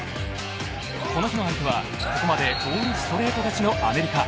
この日の相手はここまでオールストレート勝ちのアメリカ。